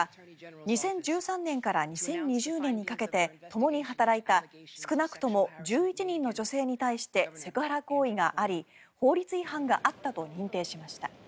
２０１３年から２０２０年にかけてともに働いた少なくとも１１人の女性に対してセクハラ行為があり法律違反があったと認定しました。